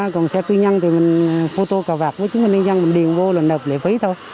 còn xe tư nhân thì mình phô tô cà vạc với chúng mình điền vô là nộp lệ phí thôi